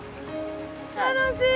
楽しい。